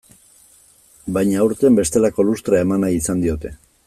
Baina aurten bestelako lustrea eman nahi izan diote.